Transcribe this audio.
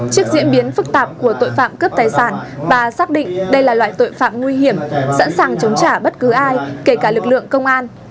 trước diễn biến phức tạp của tội phạm cướp tài sản và xác định đây là loại tội phạm nguy hiểm sẵn sàng chống trả bất cứ ai kể cả lực lượng công an